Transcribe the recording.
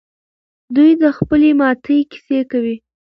دوی د خپلې ماتې کیسه کوي.